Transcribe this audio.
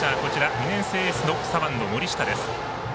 ２年生エース、左腕の森下です。